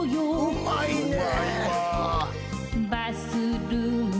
うまいわ。